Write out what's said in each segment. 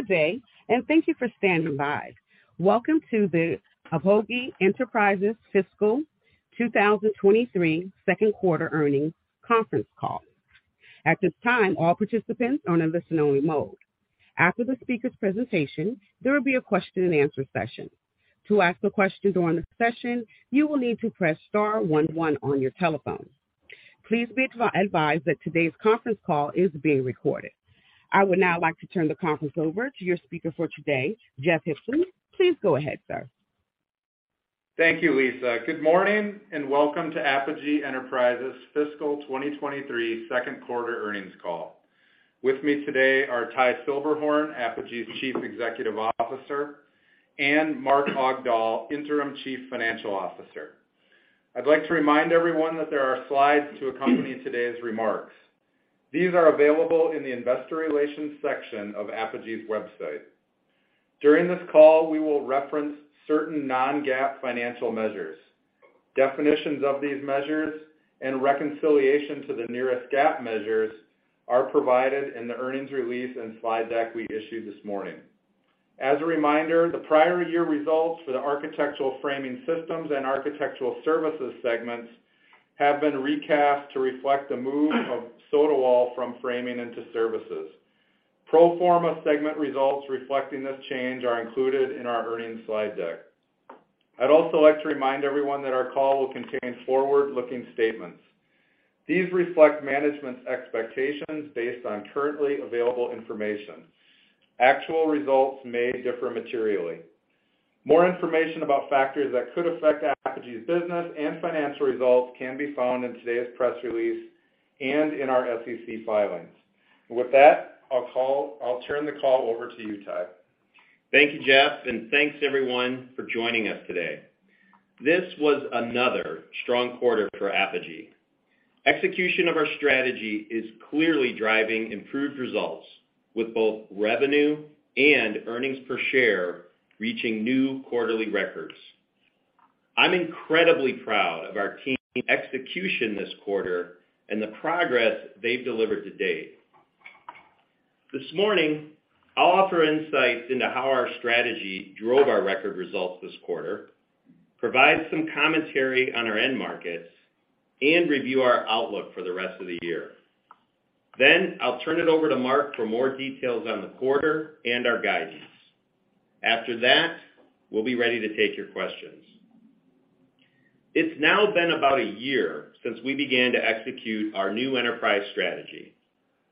Good day, and thank you for standing by. Welcome to the Apogee Enterprises Fiscal 2023 Second Quarter Earnings conference call. At this time, all participants are in listen-only mode. After the speaker's presentation, there will be a question-and-answer session. To ask a question during the session, you will need to press star one one on your telephone. Please be advised that today's conference call is being recorded. I would now like to turn the conference over to your speaker for today, Jeff Huebschen. Please go ahead, sir. Thank you, Lisa. Good morning, and welcome to Apogee Enterprises Fiscal 2023 second quarter earnings call. With me today are Ty Silberhorn, Apogee's Chief Executive Officer, and Mark Augdahl, Interim Chief Financial Officer. I'd like to remind everyone that there are slides to accompany today's remarks. These are available in the investor relations section of Apogee's website. During this call, we will reference certain non-GAAP financial measures. Definitions of these measures and reconciliation to the nearest GAAP measures are provided in the earnings release and slide deck we issued this morning. As a reminder, the prior year results for the Architectural Framing Systems and Architectural Services segments have been recast to reflect the move of Sotawall from framing into services. Pro forma segment results reflecting this change are included in our earnings slide deck. I'd also like to remind everyone that our call will contain forward-looking statements. These reflect management's expectations based on currently available information. Actual results may differ materially. More information about factors that could affect Apogee's business and financial results can be found in today's press release and in our SEC filings. With that, I'll turn the call over to you, Ty. Thank you, Jeff, and thanks everyone for joining us today. This was another strong quarter for Apogee. Execution of our strategy is clearly driving improved results with both revenue and earnings per share reaching new quarterly records. I'm incredibly proud of our team execution this quarter and the progress they've delivered to date. This morning, I'll offer insights into how our strategy drove our record results this quarter, provide some commentary on our end markets, and review our outlook for the rest of the year. I'll turn it over to Mark for more details on the quarter and our guidance. After that, we'll be ready to take your questions. It's now been about a year since we began to execute our new enterprise strategy.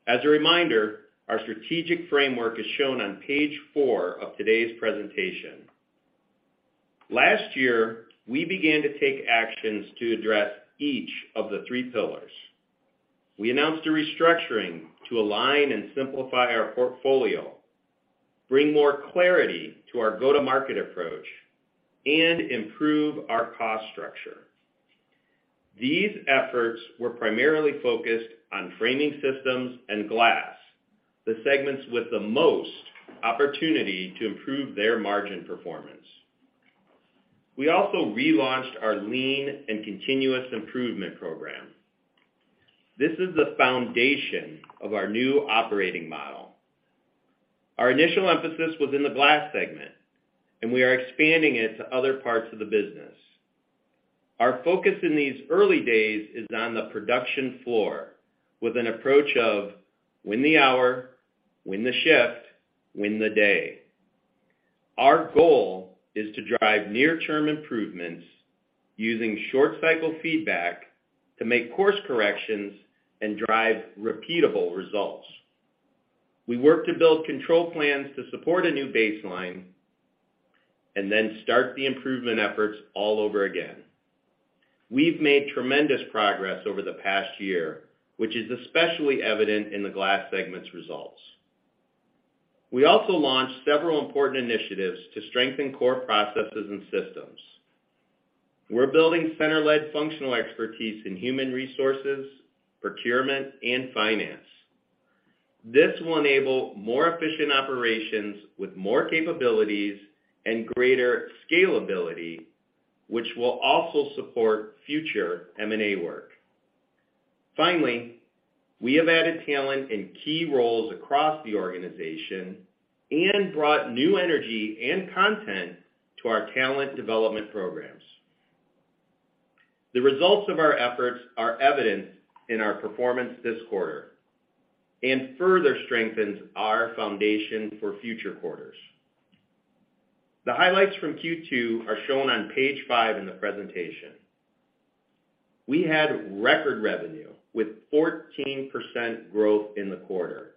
As a reminder, our strategic framework is shown on page four of today's presentation. Last year, we began to take actions to address each of the three pillars. We announced a restructuring to align and simplify our portfolio, bring more clarity to our go-to-market approach, and improve our cost structure. These efforts were primarily focused on framing systems and glass, the segments with the most opportunity to improve their margin performance. We also relaunched our Lean and Continuous Improvement program. This is the foundation of our new operating model. Our initial emphasis was in the glass segment, and we are expanding it to other parts of the business. Our focus in these early days is on the production floor with an approach of win the hour, win the shift, win the day. Our goal is to drive near-term improvements using short cycle feedback to make course corrections and drive repeatable results. We work to build control plans to support a new baseline and then start the improvement efforts all over again. We've made tremendous progress over the past year, which is especially evident in the glass segment's results. We also launched several important initiatives to strengthen core processes and systems. We're building center-led functional expertise in human resources, procurement, and finance. This will enable more efficient operations with more capabilities and greater scalability, which will also support future M&A work. Finally, we have added talent in key roles across the organization and brought new energy and content to our talent development programs. The results of our efforts are evident in our performance this quarter and further strengthens our foundation for future quarters. The highlights from Q2 are shown on page five in the presentation. We had record revenue with 14% growth in the quarter.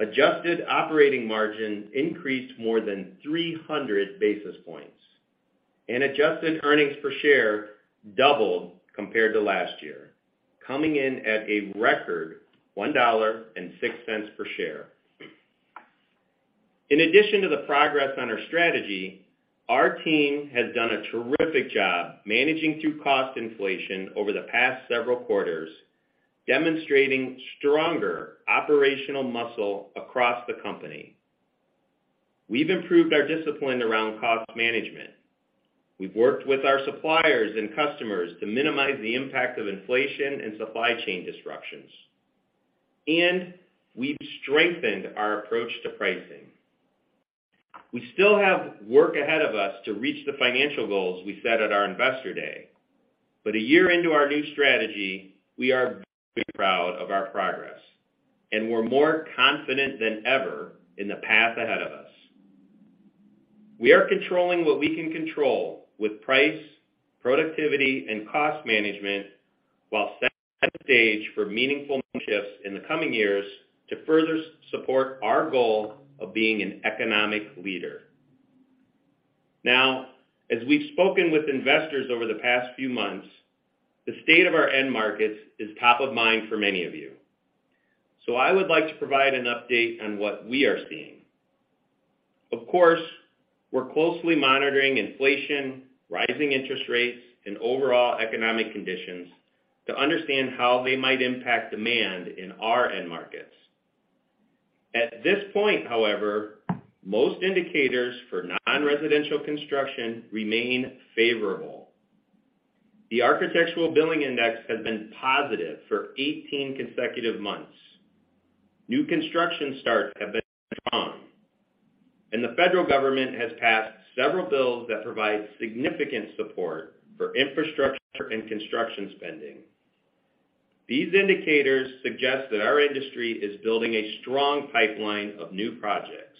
Adjusted operating margin increased more than 300 basis points, and adjusted earnings per share doubled compared to last year, coming in at a record $1.06 per share. In addition to the progress on our strategy, our team has done a terrific job managing through cost inflation over the past several quarters, demonstrating stronger operational muscle across the company. We've improved our discipline around cost management. We've worked with our suppliers and customers to minimize the impact of inflation and supply chain disruptions, and we've strengthened our approach to pricing. We still have work ahead of us to reach the financial goals we set at our Investor Day. A year into our new strategy, we are very proud of our progress, and we're more confident than ever in the path ahead of us. We are controlling what we can control with price, productivity, and cost management, while setting the stage for meaningful shifts in the coming years to further support our goal of being an economic leader. Now, as we've spoken with investors over the past few months, the state of our end markets is top of mind for many of you. I would like to provide an update on what we are seeing. Of course, we're closely monitoring inflation, rising interest rates, and overall economic conditions to understand how they might impact demand in our end markets. At this point, however, most indicators for nonresidential construction remain favorable. The Architecture Billings Index has been positive for 18 consecutive months. New construction starts have been strong, and the federal government has passed several bills that provide significant support for infrastructure and construction spending. These indicators suggest that our industry is building a strong pipeline of new projects.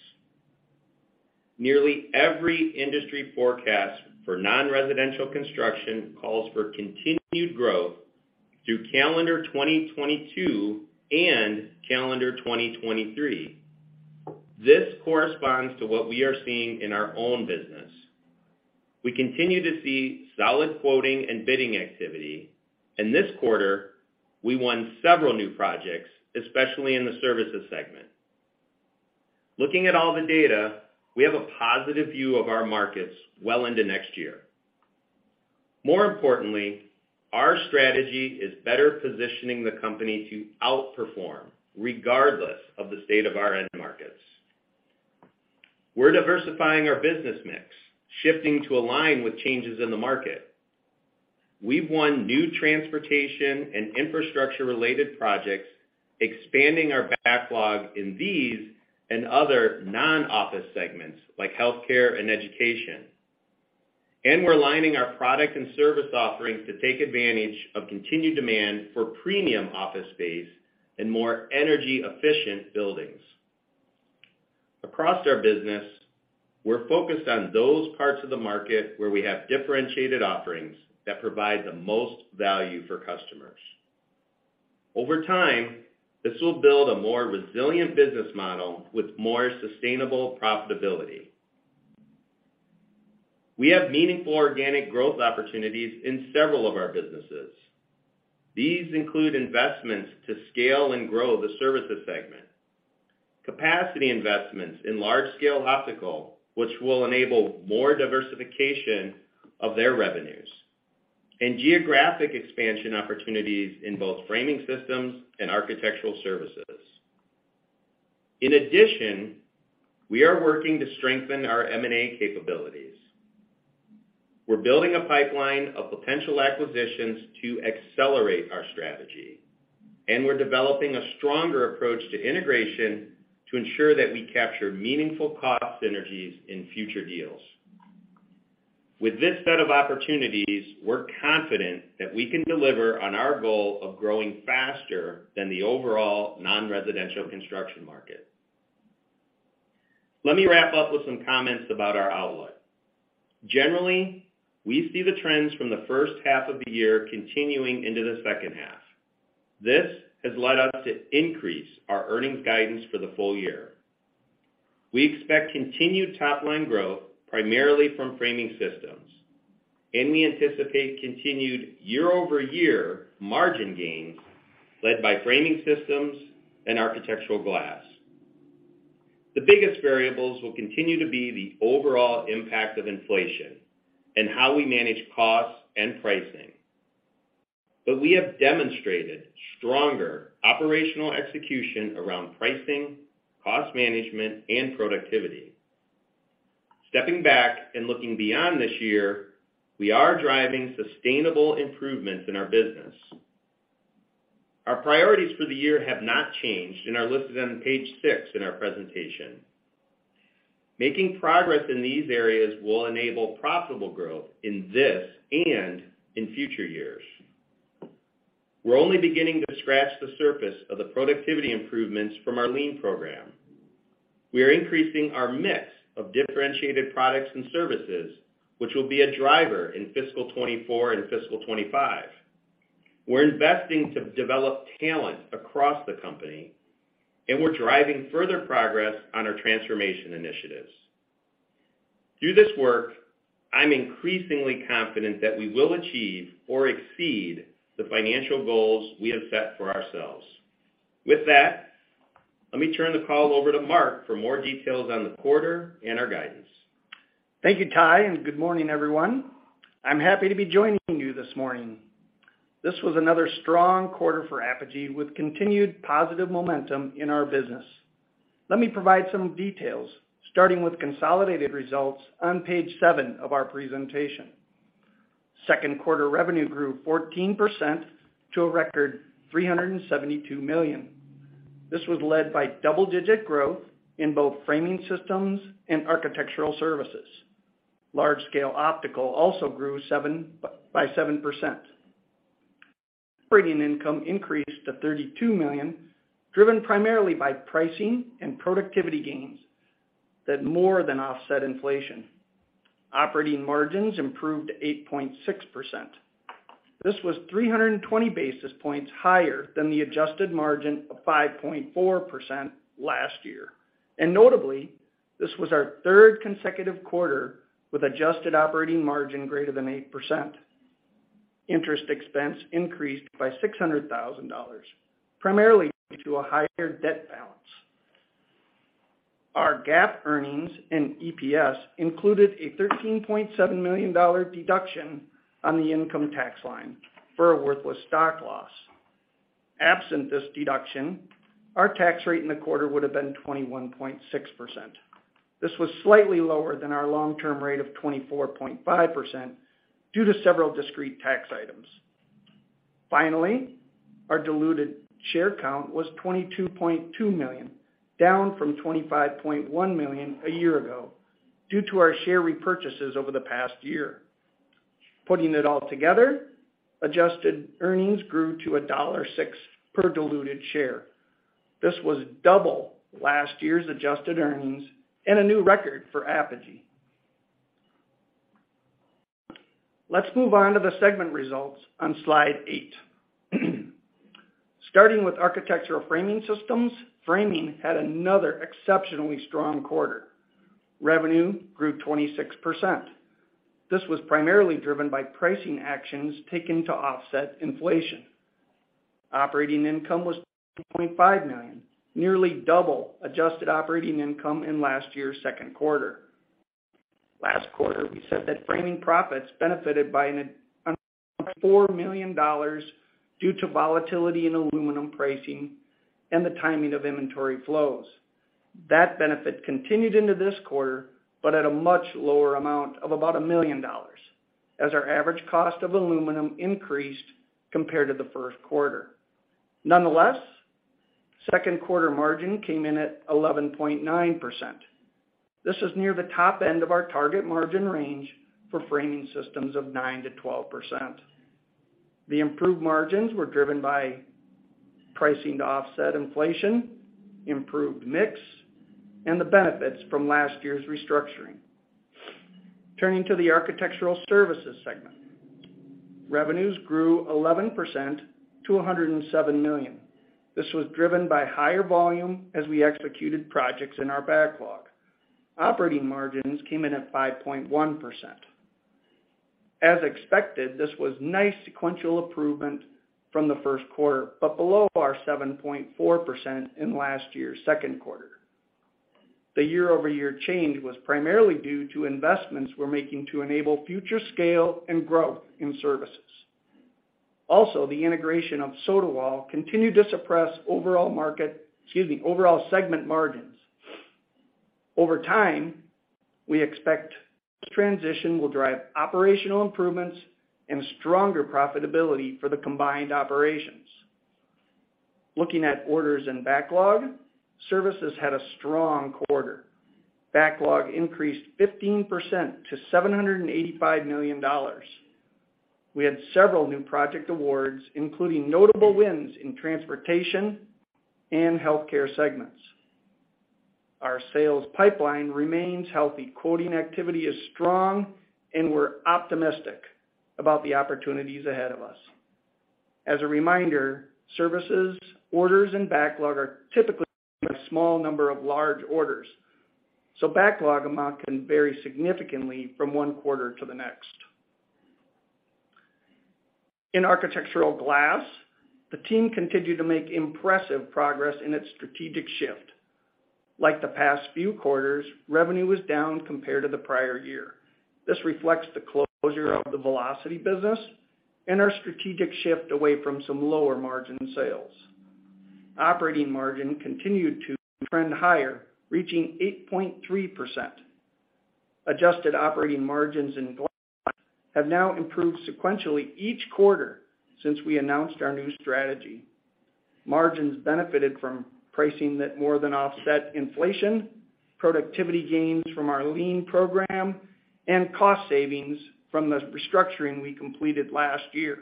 Nearly every industry forecast for non-residential construction calls for continued growth through calendar 2022 and calendar 2023. This corresponds to what we are seeing in our own business. We continue to see solid quoting and bidding activity. This quarter, we won several new projects, especially in the services segment. Looking at all the data, we have a positive view of our markets well into next year. More importantly, our strategy is better positioning the company to outperform regardless of the state of our end markets. We're diversifying our business mix, shifting to align with changes in the market. We've won new transportation and infrastructure-related projects, expanding our backlog in these and other non-office segments like healthcare and education. We're aligning our product and service offerings to take advantage of continued demand for premium office space and more energy-efficient buildings. Across our business, we're focused on those parts of the market where we have differentiated offerings that provide the most value for customers. Over time, this will build a more resilient business model with more sustainable profitability. We have meaningful organic growth opportunities in several of our businesses. These include investments to scale and grow the services segment, capacity investments in Large-Scale Optical, which will enable more diversification of their revenues, and geographic expansion opportunities in both framing systems and architectural services. In addition, we are working to strengthen our M&A capabilities. We're building a pipeline of potential acquisitions to accelerate our strategy, and we're developing a stronger approach to integration to ensure that we capture meaningful cost synergies in future deals. With this set of opportunities, we're confident that we can deliver on our goal of growing faster than the overall nonresidential construction market. Let me wrap up with some comments about our outlook. Generally, we see the trends from the first half of the year continuing into the second half. This has led us to increase our earnings guidance for the full year. We expect continued top-line growth primarily from framing systems, and we anticipate continued year-over-year margin gains led by framing systems and architectural glass. The biggest variables will continue to be the overall impact of inflation and how we manage costs and pricing. We have demonstrated stronger operational execution around pricing, cost management, and productivity. Stepping back and looking beyond this year, we are driving sustainable improvements in our business. Our priorities for the year have not changed and are listed on page six in our presentation. Making progress in these areas will enable profitable growth in this and in future years. We're only beginning to scratch the surface of the productivity improvements from our Lean program. We are increasing our mix of differentiated products and services, which will be a driver in fiscal 2024 and fiscal 2025. We're investing to develop talent across the company, and we're driving further progress on our transformation initiatives. Through this work, I'm increasingly confident that we will achieve or exceed the financial goals we have set for ourselves. With that, let me turn the call over to Mark for more details on the quarter and our guidance. Thank you, Ty, and good morning, everyone. I'm happy to be joining you this morning. This was another strong quarter for Apogee with continued positive momentum in our business. Let me provide some details, starting with consolidated results on page seven of our presentation. Second quarter revenue grew 14% to a record $372 million. This was led by double-digit growth in both framing systems and architectural services. Large-Scale Optical also grew 7% by 7%. Operating income increased to $32 million, driven primarily by pricing and productivity gains that more than offset inflation. Operating margins improved to 8.6%. This was 320 basis points higher than the adjusted margin of 5.4% last year. Notably, this was our third consecutive quarter with adjusted operating margin greater than 8%. Interest expense increased by $600,000, primarily due to a higher debt balance. Our GAAP earnings and EPS included a $13.7 million deduction on the income tax line for a worthless stock loss. Absent this deduction, our tax rate in the quarter would have been 21.6%. This was slightly lower than our long-term rate of 24.5% due to several discrete tax items. Finally, our diluted share count was 22.2 million, down from 25.1 million a year ago due to our share repurchases over the past year. Putting it all together, adjusted earnings grew to $1.06 per diluted share. This was double last year's adjusted earnings and a new record for Apogee. Let's move on to the segment results on Slide eight. Starting with Architectural Framing Systems, Framing had another exceptionally strong quarter. Revenue grew 26%. This was primarily driven by pricing actions taken to offset inflation. Operating income was $2.5 million, nearly double adjusted operating income in last year's second quarter. Last quarter, we said that framing profits benefited by $4 million due to volatility in aluminum pricing and the timing of inventory flows. That benefit continued into this quarter, but at a much lower amount of about $1 million as our average cost of aluminum increased compared to the first quarter. Nonetheless, second quarter margin came in at 11.9%. This is near the top end of our target margin range for framing systems of 9%-12%. The improved margins were driven by pricing to offset inflation, improved mix, and the benefits from last year's restructuring. Turning to the architectural services segment. Revenues grew 11% to $107 million. This was driven by higher volume as we executed projects in our backlog. Operating margins came in at 5.1%. As expected, this was nice sequential improvement from the first quarter, but below our 7.4% in last year's second quarter. The year-over-year change was primarily due to investments we're making to enable future scale and growth in services. Also, the integration of Sotawall continued to suppress overall segment margins. Over time, we expect this transition will drive operational improvements and stronger profitability for the combined operations. Looking at orders and backlog, services had a strong quarter. Backlog increased 15% to $785 million. We had several new project awards, including notable wins in transportation and healthcare segments. Our sales pipeline remains healthy. Quoting activity is strong, and we're optimistic about the opportunities ahead of us. As a reminder, services, orders, and backlog are typically a small number of large orders, so backlog amount can vary significantly from one quarter to the next. In architectural glass, the team continued to make impressive progress in its strategic shift. Like the past few quarters, revenue was down compared to the prior year. This reflects the closure of the Velocity business and our strategic shift away from some lower-margin sales. Operating margin continued to trend higher, reaching 8.3%. Adjusted operating margins in glass have now improved sequentially each quarter since we announced our new strategy. Margins benefited from pricing that more than offset inflation, productivity gains from our Lean program, and cost savings from the restructuring we completed last year.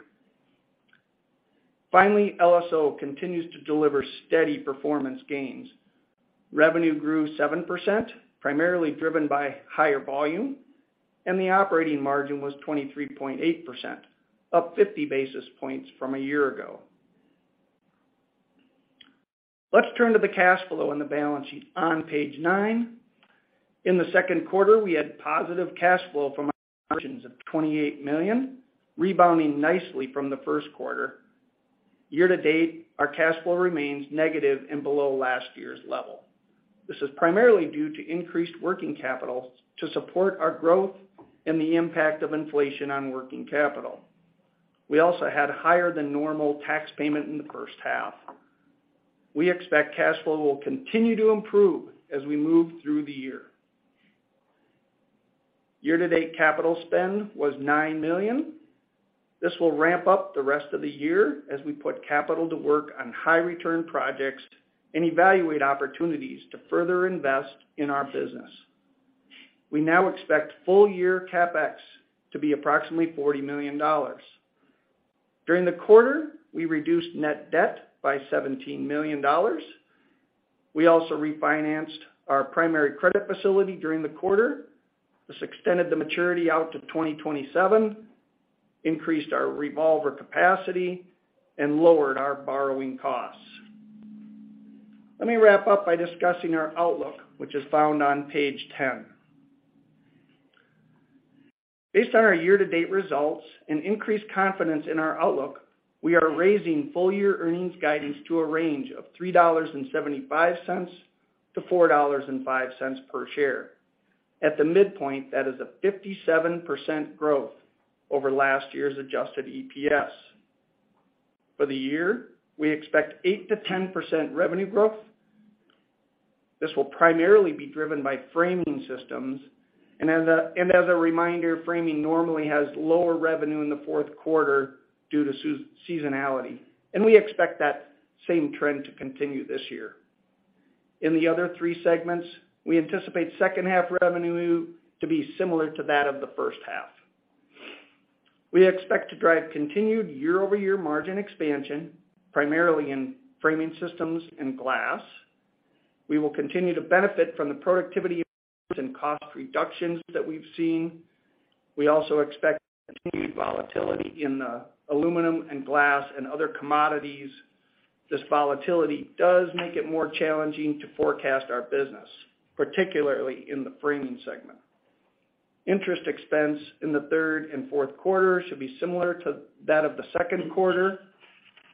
Finally, LSO continues to deliver steady performance gains. Revenue grew 7%, primarily driven by higher volume, and the operating margin was 23.8%, up 50 basis points from a year ago. Let's turn to the cash flow and the balance sheet on page nine. In the second quarter, we had positive cash flow from operations of $28 million, rebounding nicely from the first quarter. Year-to-date, our cash flow remains negative and below last year's level. This is primarily due to increased working capital to support our growth and the impact of inflation on working capital. We also had higher than normal tax payment in the first half. We expect cash flow will continue to improve as we move through the year. Year-to-date capital spend was $9 million. This will ramp up the rest of the year as we put capital to work on high return projects and evaluate opportunities to further invest in our business. We now expect full-year CapEx to be approximately $40 million. During the quarter, we reduced net debt by $17 million. We also refinanced our primary credit facility during the quarter. This extended the maturity out to 2027, increased our revolver capacity, and lowered our borrowing costs. Let me wrap up by discussing our outlook, which is found on page 10. Based on our year-to-date results and increased confidence in our outlook, we are raising full-year earnings guidance to a range of $3.75-$4.05 per share. At the midpoint, that is a 57% growth over last year's adjusted EPS. For the year, we expect 8%-10% revenue growth. This will primarily be driven by framing systems. As a reminder, framing normally has lower revenue in the fourth quarter due to seasonality, and we expect that same trend to continue this year. In the other three segments, we anticipate second half revenue to be similar to that of the first half. We expect to drive continued year-over-year margin expansion, primarily in framing systems and glass. We will continue to benefit from the productivity and cost reductions that we've seen. We also expect continued volatility in the aluminum and glass and other commodities. This volatility does make it more challenging to forecast our business, particularly in the framing segment. Interest expense in the third and fourth quarter should be similar to that of the second quarter,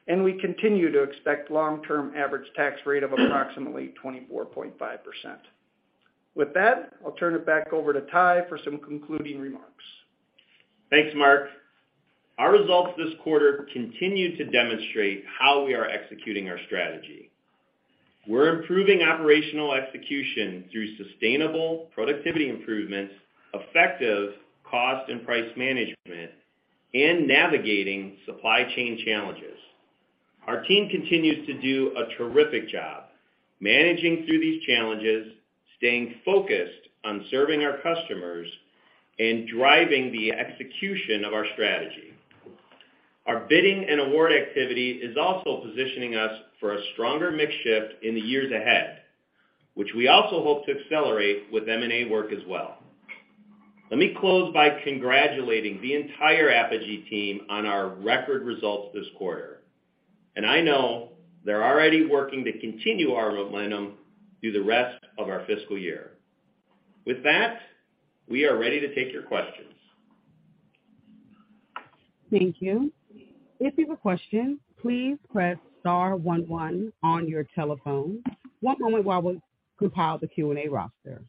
and we continue to expect long-term average tax rate of approximately 24.5%. With that, I'll turn it back over to Ty for some concluding remarks. Thanks, Mark. Our results this quarter continue to demonstrate how we are executing our strategy. We're improving operational execution through sustainable productivity improvements, effective cost and price management, and navigating supply chain challenges. Our team continues to do a terrific job managing through these challenges, staying focused on serving our customers, and driving the execution of our strategy. Our bidding and award activity is also positioning us for a stronger mix shift in the years ahead, which we also hope to accelerate with M&A work as well. Let me close by congratulating the entire Apogee team on our record results this quarter, and I know they're already working to continue our momentum through the rest of our fiscal year. With that, we are ready to take your questions. Thank you. If you have a question, please press star one one on your telephone. One moment while we compile the Q&A roster.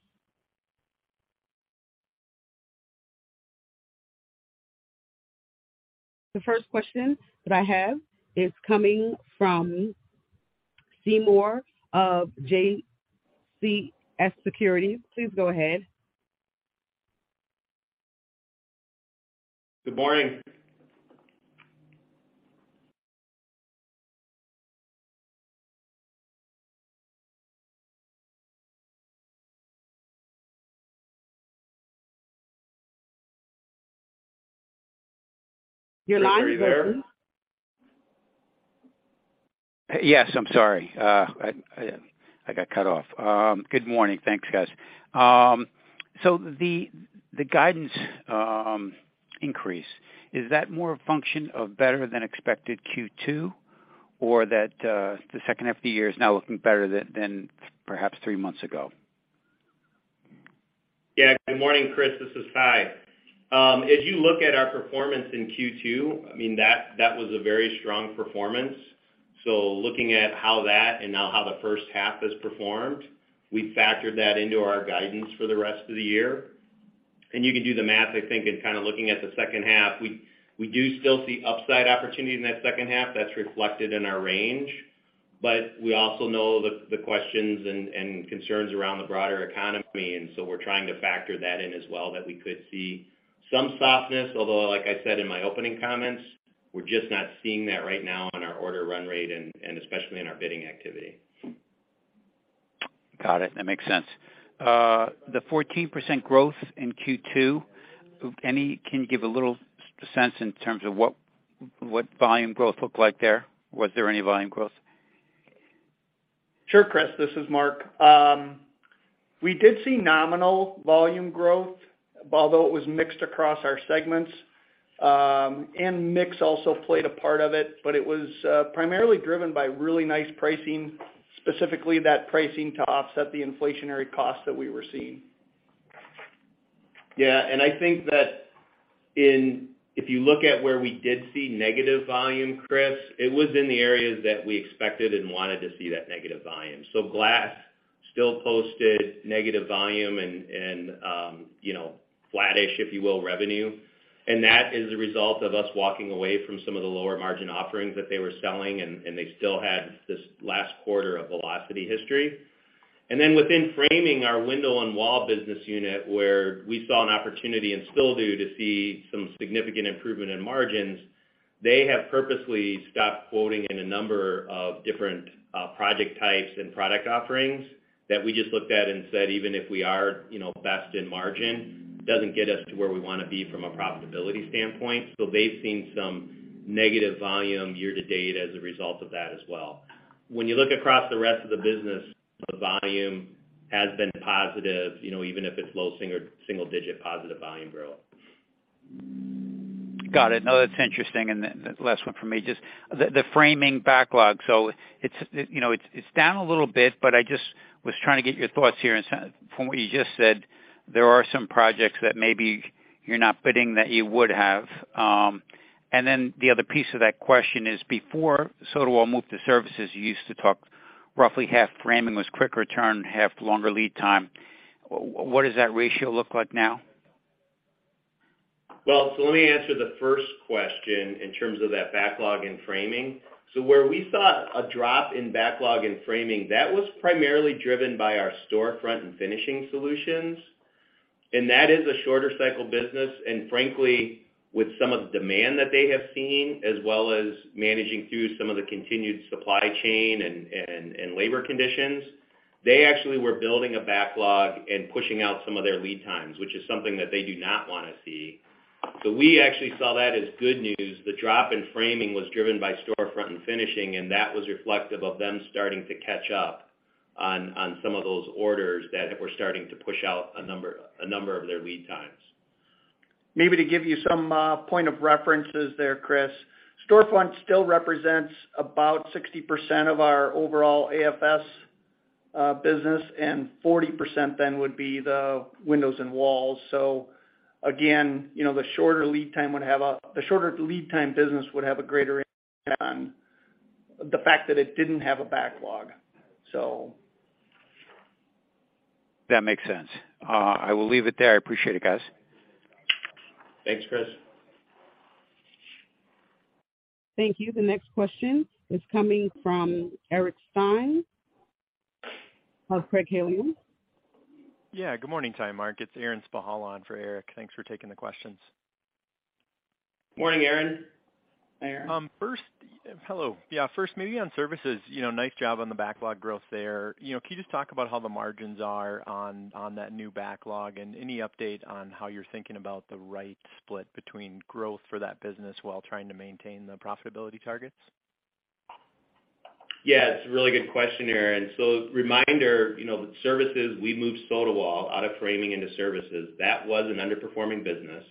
The first question that I have is coming from Chris Moore of CJS Securities. Please go ahead. Good morning. Your line is open. Chris, are you there? Yes. I'm sorry. I got cut off. Good morning. Thanks, guys. So the guidance increase, is that more a function of better than expected Q2, or that the second half of the year is now looking better than perhaps three months ago? Yeah. Good morning, Chris. This is Ty. As you look at our performance in Q2, I mean, that was a very strong performance. Looking at how that and now how the first half has performed, we factored that into our guidance for the rest of the year. You can do the math, I think, in kind of looking at the second half. We do still see upside opportunity in that second half that's reflected in our range, but we also know the questions and concerns around the broader economy, and so we're trying to factor that in as well, that we could see some softness. Although, like I said in my opening comments, we're just not seeing that right now on our order run rate and especially in our bidding activity. Got it. That makes sense. The 14% growth in Q2, can you give a little sense in terms of what volume growth looked like there? Was there any volume growth? Sure, Chris, this is Mark. We did see nominal volume growth, although it was mixed across our segments, and mix also played a part of it. It was primarily driven by really nice pricing, specifically that pricing to offset the inflationary costs that we were seeing. Yeah. I think that if you look at where we did see negative volume, Chris, it was in the areas that we expected and wanted to see that negative volume. Glass still posted negative volume and, you know, flattish, if you will, revenue. That is a result of us walking away from some of the lower margin offerings that they were selling, and they still had this last quarter of Velocity history. Then within framing, our Window and Wall business unit, where we saw an opportunity and still do to see some significant improvement in margins, they have purposely stopped quoting in a number of different project types and product offerings that we just looked at and said, even if we are, you know, best in margin, doesn't get us to where we wanna be from a profitability standpoint. They've seen some negative volume year to date as a result of that as well. When you look across the rest of the business, the volume has been positive, you know, even if it's low single digit positive volume growth. Got it. No, that's interesting. Then the last one for me, just the framing backlog. It's down a little bit, but I just was trying to get your thoughts here. From what you just said, there are some projects that maybe you're not bidding that you would have. Then the other piece of that question is before Sotawall moved to services, you used to talk roughly half framing was quick return, half longer lead time. What does that ratio look like now? Well, let me answer the first question in terms of that backlog in framing. Where we saw a drop in backlog in framing, that was primarily driven by our storefront and finishing solutions, and that is a shorter cycle business. Frankly, with some of the demand that they have seen, as well as managing through some of the continued supply chain and labor conditions, they actually were building a backlog and pushing out some of their lead times, which is something that they do not wanna see. We actually saw that as good news. The drop in framing was driven by storefront and finishing, and that was reflective of them starting to catch up on some of those orders that were starting to push out a number of their lead times. Maybe to give you some points of reference there, Chris. Storefront still represents about 60% of our overall AFS business, and 40% then would be the Window and Wall. Again, you know, the shorter lead time business would have a greater impact on the fact that it didn't have a backlog. That makes sense. I will leave it there. I appreciate it, guys. Thanks, Chris. Thank you. The next question is coming from Eric Stine of Craig-Hallum. Yeah. Good morning, Ty, Mark. It's Aaron Spychalla on for Eric. Thanks for taking the questions. Morning, Aaron. Hi, Aaron. First, maybe on services, you know, nice job on the backlog growth there. You know, can you just talk about how the margins are on that new backlog? Any update on how you're thinking about the right split between growth for that business while trying to maintain the profitability targets? Yeah, it's a really good question, Aaron. Reminder, you know, services, we moved Sotawall out of framing into services. That was an underperforming business.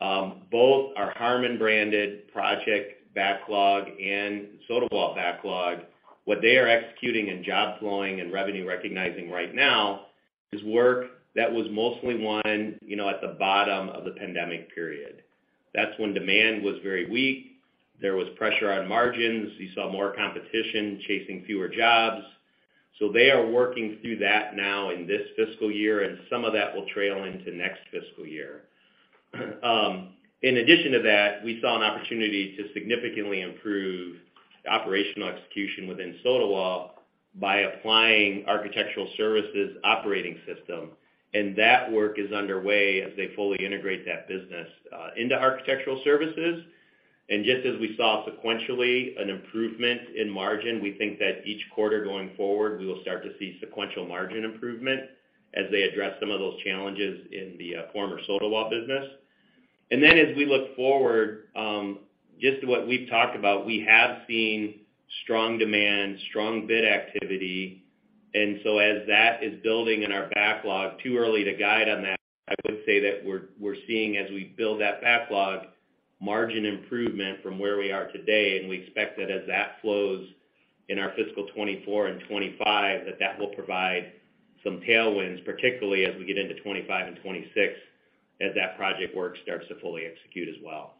Both our Harmon-branded project backlog and Sotawall backlog, what they are executing and job flowing and revenue recognizing right now is work that was mostly won, you know, at the bottom of the pandemic period. That's when demand was very weak. There was pressure on margins. You saw more competition chasing fewer jobs. They are working through that now in this fiscal year, and some of that will trail into next fiscal year. In addition to that, we saw an opportunity to significantly improve operational execution within Sotawall by applying Architectural Services operating system, and that work is underway as they fully integrate that business into Architectural Services. Just as we saw sequentially an improvement in margin, we think that each quarter going forward, we will start to see sequential margin improvement as they address some of those challenges in the former Sotawall business. Then as we look forward, just to what we've talked about, we have seen strong demand, strong bid activity, and so as that is building in our backlog, too early to guide on that, I would say that we're seeing as we build that backlog, margin improvement from where we are today, and we expect that as that flows in our fiscal 2024 and 2025, that that will provide some tailwinds, particularly as we get into 2025 and 2026, as that project work starts to fully execute as well.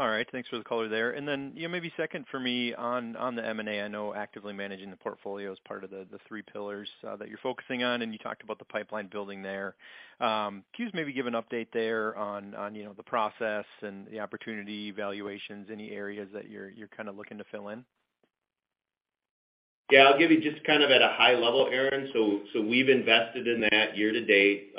All right. Thanks for the color there. You know, maybe second for me on the M&A. I know actively managing the portfolio is part of the three pillars that you're focusing on, and you talked about the pipeline building there. Can you just maybe give an update there on, you know, the process and the opportunity evaluations, any areas that you're kind of looking to fill in? Yeah, I'll give you just kind of at a high level, Aaron. We've invested in that year to date.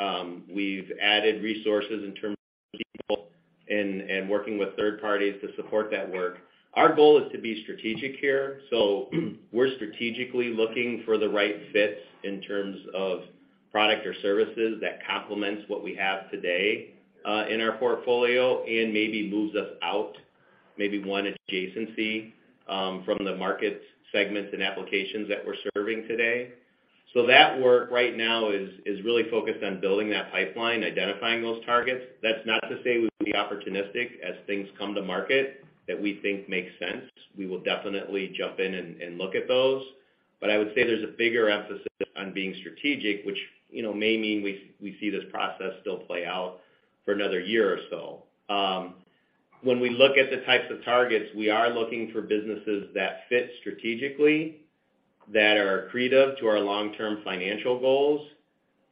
We've added resources in terms of people and working with third parties to support that work. Our goal is to be strategic here. We're strategically looking for the right fits in terms of product or services that complements what we have today, in our portfolio and maybe moves us out, maybe one adjacency, from the market segments and applications that we're serving today. That work right now is really focused on building that pipeline, identifying those targets. That's not to say we'll be opportunistic as things come to market that we think make sense. We will definitely jump in and look at those. I would say there's a bigger emphasis on being strategic, which, you know, may mean we see this process still play out for another year or so. When we look at the types of targets, we are looking for businesses that fit strategically, that are accretive to our long-term financial goals,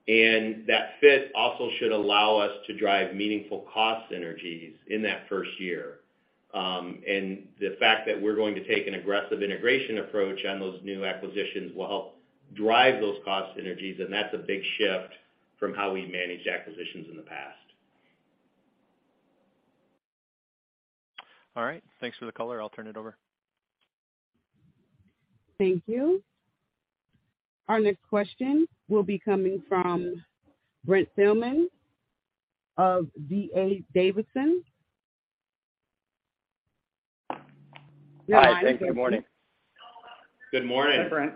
and that fit also should allow us to drive meaningful cost synergies in that first year. The fact that we're going to take an aggressive integration approach on those new acquisitions will help drive those cost synergies, and that's a big shift from how we managed acquisitions in the past. All right. Thanks for the color. I'll turn it over. Thank you. Our next question will be coming from Brent Thielman of D.A. Davidson. Your line is open. Hi. Thank you. Good morning. Good morning. Hey, Brent.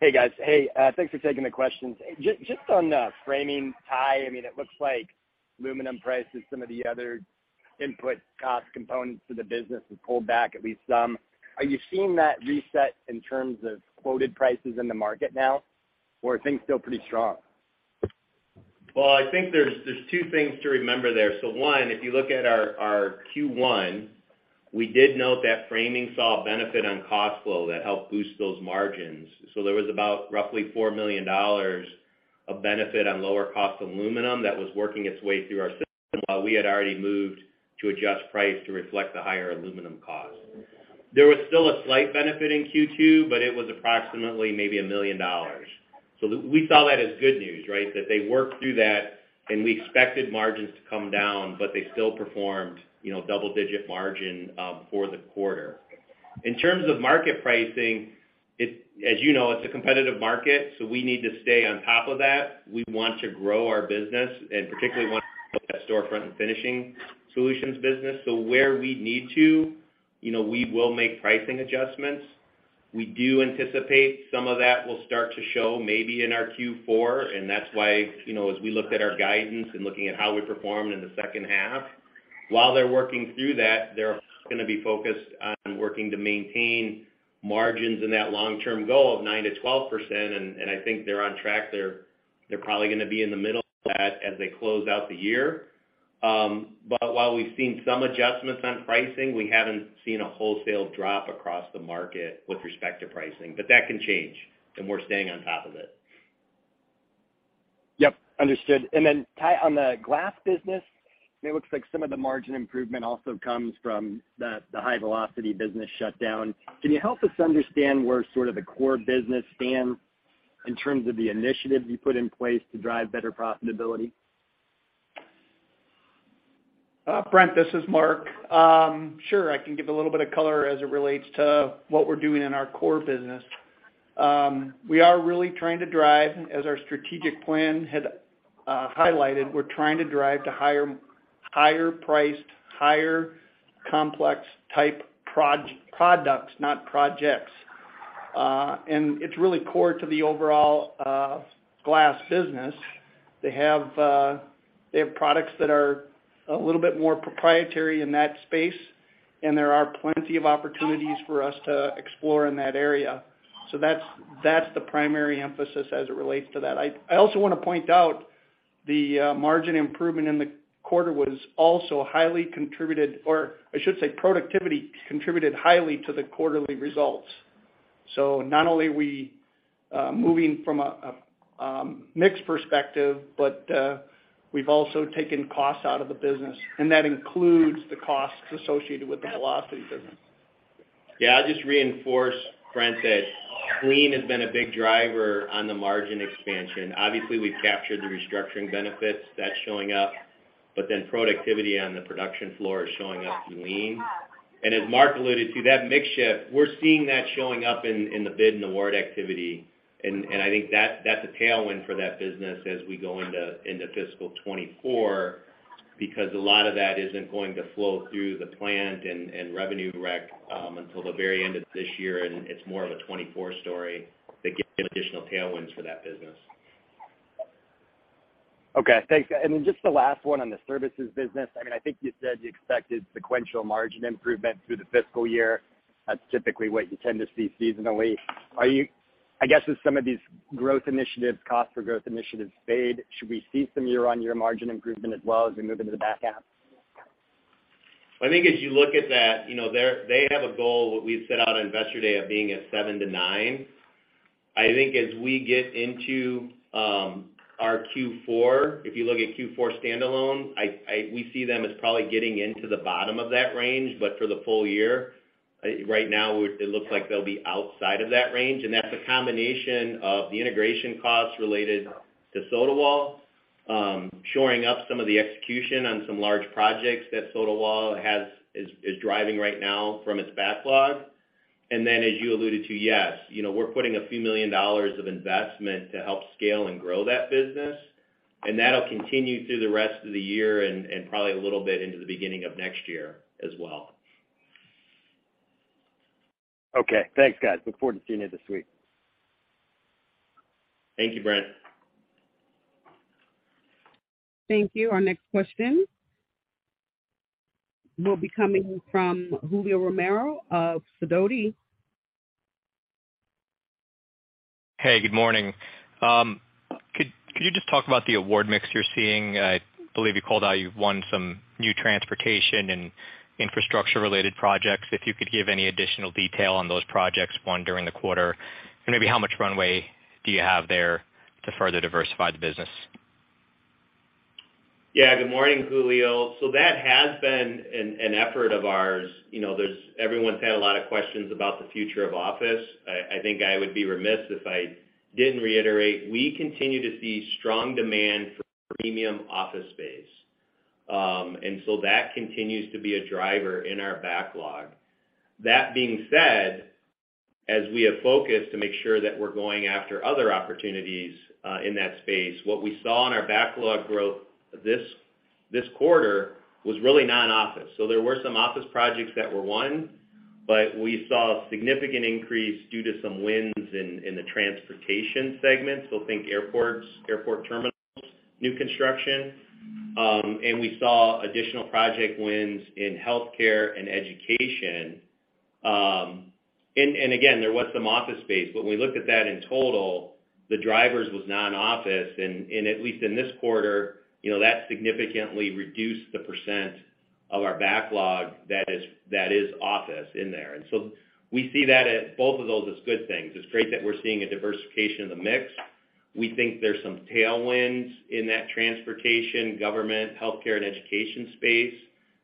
Hey, guys. Hey, thanks for taking the questions. Just on framing, Ty, I mean, it looks like aluminum prices, some of the other input cost components to the business have pulled back at least some. Are you seeing that reset in terms of quoted prices in the market now, or are things still pretty strong? Well, I think there's two things to remember there. One, if you look at our Q1, we did note that framing saw a benefit on cost flow that helped boost those margins. There was about roughly $4 million of benefit on lower cost aluminum that was working its way through our system while we had already moved to adjust price to reflect the higher aluminum cost. There was still a slight benefit in Q2, but it was approximately maybe $1 million. We saw that as good news, right? That they worked through that and we expected margins to come down, but they still performed, you know, double-digit margin for the quarter. In terms of market pricing, it, as you know, it's a competitive market, so we need to stay on top of that. We want to grow our business and particularly want to build that storefront and finishing solutions business. Where we need to, you know, we will make pricing adjustments. We do anticipate some of that will start to show maybe in our Q4, and that's why, you know, as we looked at our guidance and looking at how we performed in the second half. While they're working through that, they're gonna be focused on working to maintain margins in that long-term goal of 9%-12%, and I think they're on track. They're probably gonna be in the middle of that as they close out the year. While we've seen some adjustments on pricing, we haven't seen a wholesale drop across the market with respect to pricing. That can change, and we're staying on top of it. Yep, understood. Ty, on the glass business, it looks like some of the margin improvement also comes from the Velocity business shutdown. Can you help us understand where sort of the core business stands in terms of the initiatives you put in place to drive better profitability? Brent, this is Mark. Sure, I can give a little bit of color as it relates to what we're doing in our core business. We are really trying to drive, as our strategic plan had highlighted, we're trying to drive to higher priced, higher complex type products, not projects. It's really core to the overall glass business. They have products that are a little bit more proprietary in that space, and there are plenty of opportunities for us to explore in that area. That's the primary emphasis as it relates to that. I also wanna point out the margin improvement in the quarter was also highly contributed, or I should say, productivity contributed highly to the quarterly results. Not only are we moving from a mix perspective, but we've also taken costs out of the business, and that includes the costs associated with the Velocity business. Yeah, I'll just reinforce Brent that Lean has been a big driver on the margin expansion. Obviously, we've captured the restructuring benefits. That's showing up. Productivity on the production floor is showing up in Lean. As Mark alluded to, that mix shift, we're seeing that showing up in the bid and award activity. I think that's a tailwind for that business as we go into fiscal 2024, because a lot of that isn't going to flow through the plant and revenue recognition until the very end of this year, and it's more of a 2024 story that gives some additional tailwinds for that business. Okay. Thanks. Just the last one on the services business. I mean, I think you said you expected sequential margin improvement through the fiscal year. That's typically what you tend to see seasonally. Are you, I guess, as some of these growth initiatives, costs for growth initiatives fade, should we see some year-on-year margin improvement as well as we move into the back half? I think as you look at that, you know, they have a goal, what we've set out on Investor Day of being at 7%-9%. I think as we get into our Q4, if you look at Q4 standalone, we see them as probably getting into the bottom of that range. But for the full year, right now, it looks like they'll be outside of that range. That's a combination of the integration costs related to Sotawall, shoring up some of the execution on some large projects that Sotawall is driving right now from its backlog.as you alluded to, yes, you know, we're putting $a few million of investment to help scale and grow that business, and that'll continue through the rest of the year and probably a little bit into the beginning of next year as well. Okay. Thanks, guys. Look forward to seeing you this week. Thank you, Brent. Thank you. Our next question will be coming from Julio Romero of Sidoti. Hey, good morning. Could you just talk about the award mix you're seeing? I believe you called out you've won some new transportation and infrastructure-related projects. If you could give any additional detail on those projects won during the quarter and maybe how much runway do you have there to further diversify the business? Yeah. Good morning, Julio. That has been an effort of ours. You know, everyone's had a lot of questions about the future of office. I think I would be remiss if I didn't reiterate. We continue to see strong demand for premium office space. That continues to be a driver in our backlog. That being said, as we have focused to make sure that we're going after other opportunities in that space, what we saw in our backlog growth this quarter was really non-office. There were some office projects that were won, but we saw a significant increase due to some wins in the transportation segment. Think airports, airport terminals, new construction. We saw additional project wins in healthcare and education. again, there was some office space, but when we looked at that in total, the drivers was non-office. At least in this quarter, you know, that significantly reduced the percent of our backlog that is office in there. We see that as both of those as good things. It's great that we're seeing a diversification of the mix. We think there's some tailwinds in that transportation, government, healthcare, and education space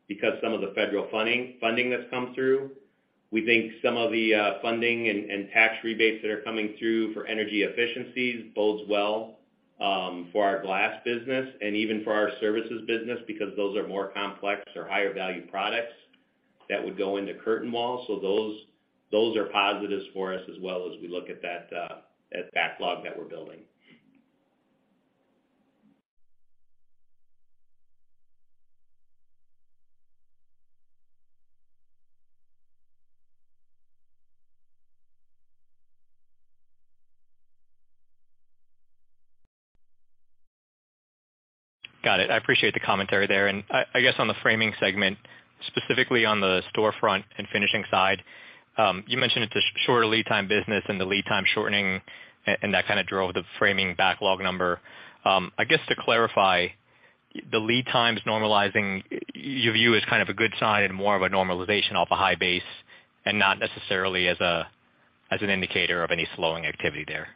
because some of the federal funding that's come through. We think some of the funding and tax rebates that are coming through for energy efficiencies bodes well for our glass business and even for our services business, because those are more complex or higher value products that would go into curtain walls. Those are positives for us as well as we look at that backlog that we're building. Got it. I appreciate the commentary there. I guess on the framing segment, specifically on the storefront and finishing side, you mentioned it's a shorter lead time business and the lead time shortening and that kinda drove the framing backlog number. I guess to clarify, the lead times normalizing, you view as kind of a good sign and more of a normalization off a high base and not necessarily as an indicator of any slowing activity there?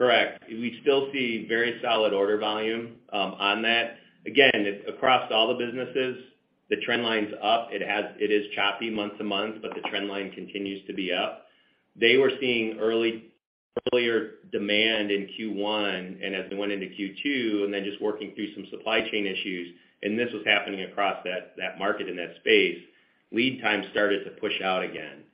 Correct. We still see very solid order volume on that. Again, across all the businesses, the trend line's up. It is choppy month to month, but the trend line continues to be up. They were seeing earlier demand in Q1, and as they went into Q2 and then just working through some supply chain issues, and this was happening across that market in that space, lead time started to push out again.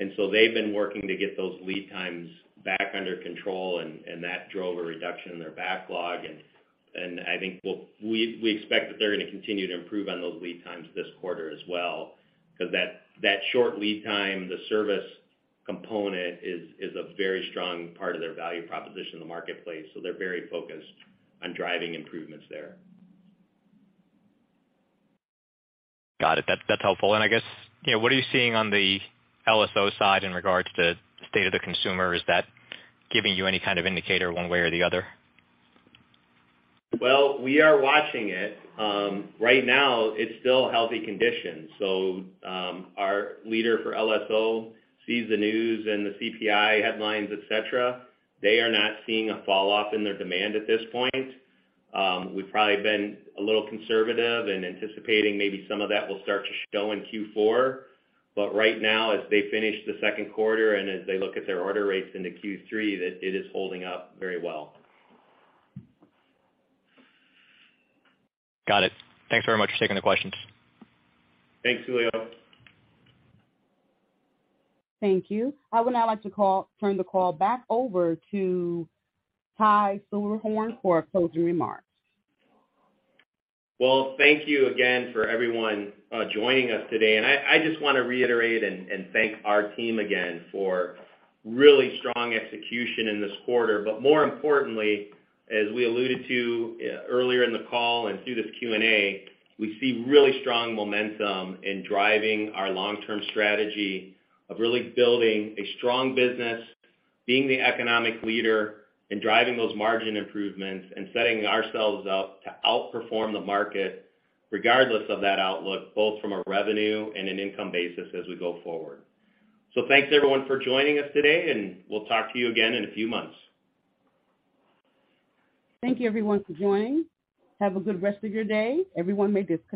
They've been working to get those lead times back under control, and that drove a reduction in their backlog. I think we expect that they're gonna continue to improve on those lead times this quarter as well, because that short lead time, the service component is a very strong part of their value proposition in the marketplace. They're very focused on driving improvements there. Got it. That's helpful. I guess, you know, what are you seeing on the LSO side in regards to state of the consumer? Is that giving you any kind of indicator one way or the other? We are watching it. Right now it's still healthy conditions. Our leader for LSO sees the news and the CPI headlines, et cetera. They are not seeing a falloff in their demand at this point. We've probably been a little conservative in anticipating maybe some of that will start to show in Q4. Right now, as they finish the second quarter and as they look at their order rates into Q3, that it is holding up very well. Got it. Thanks very much for taking the questions. Thanks, Julio. Thank you. I would now like to turn the call back over to Ty Silberhorn for closing remarks. Well, thank you again for everyone joining us today. I just wanna reiterate and thank our team again for really strong execution in this quarter. More importantly, as we alluded to earlier in the call and through this Q&A, we see really strong momentum in driving our long-term strategy of really building a strong business, being the economic leader, and driving those margin improvements and setting ourselves up to outperform the market regardless of that outlook, both from a revenue and an income basis as we go forward. Thanks, everyone, for joining us today, and we'll talk to you again in a few months. Thank you, everyone, for joining. Have a good rest of your day. Everyone may disconnect.